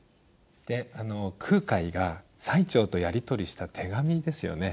で空海が最澄とやり取りした手紙ですよね。